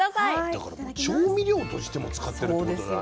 だからもう調味料としても使ってるってことだね。